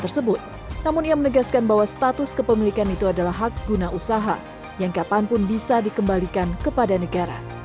namun ia menegaskan bahwa status kepemilikan itu adalah hak guna usaha yang kapanpun bisa dikembalikan kepada negara